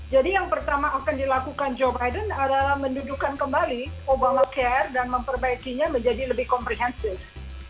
jadi yang pertama akan dilakukan joe biden adalah mendudukan kembali obamacare dan memperbaikinya menjadi lebih komprehensif